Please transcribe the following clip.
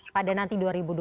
pada nanti dua ribu dua puluh